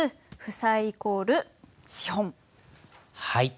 はい。